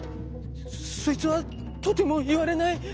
「そいつはとてもいわれない。